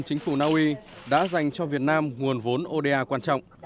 chính phủ naui đã dành cho việt nam nguồn vốn oda quan trọng